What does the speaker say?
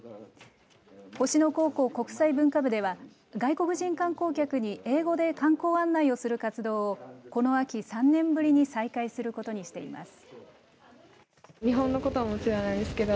星野高校国際文化部では外国人観光客に英語で観光案内をする活動をこの秋、３年ぶりに再開することにしています。